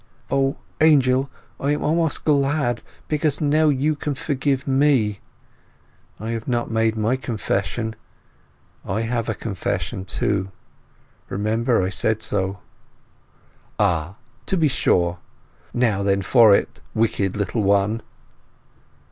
"O, Angel—I am almost glad—because now you can forgive me! I have not made my confession. I have a confession, too—remember, I said so." "Ah, to be sure! Now then for it, wicked little one."